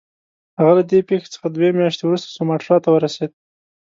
هغه له دې پیښې څخه دوې میاشتې وروسته سوماټرا ته ورسېد.